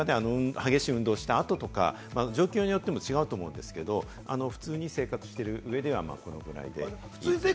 激しい運動をした後とか、状況によっても違うと思うんですけど、普通に生活している上では、このぐらいでいいということです。